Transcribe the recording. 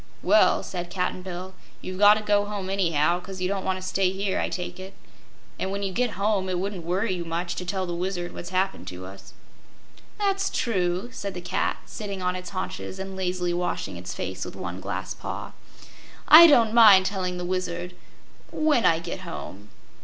"Well," said Cap'n Bill, "you've got to go home, anyhow, 'cause you don't want to stay here, I take it. And, when you get home, it wouldn't worry you much to tell the Wizard what's happened to us." "That's true," said the cat, sitting on its haunches and lazily washing its face with one glass paw. "I don't mind telling the Wizard when I get home."